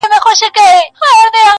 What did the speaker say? هغه د سر پر زنگانه و فلسفې ته ژاړي~